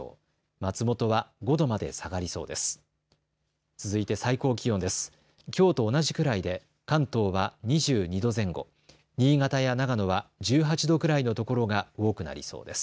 松本は５度まで下がりそうです。